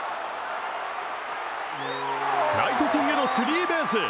ライト線へのスリーベース。